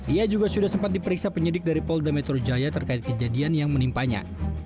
ia juga sudah sempat diperiksa penyidik dari polda metro jaya terkait kejadian yang menimpanya